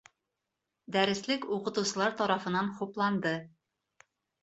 Дәреслек уҡытыусылар тарафынан хупланды.